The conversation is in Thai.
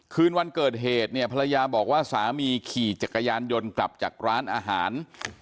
คืนวันเกิดเหตุเนี่ยภรรยาบอกว่าสามีขี่จักรยานยนต์กลับจากร้านอาหาร